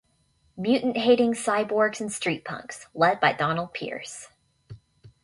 Mutant-hating cyborgs and street punks, led by Donald Pierce.